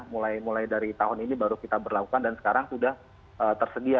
mulai mulai dari tahun ini baru kita berlakukan dan sekarang sudah tersedia